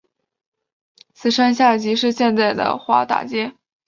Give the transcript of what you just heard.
此山下即是现在的毕打街。